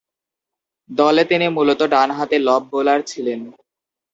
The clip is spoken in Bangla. দলে তিনি মূলতঃ ডানহাতি লব বোলার ছিলেন।